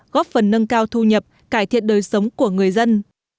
góp phần nâng cao thu nhập cải thiện đời sống của người dân